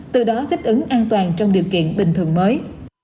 từ đó thích ứng an toàn trong điều kiện bình thường mới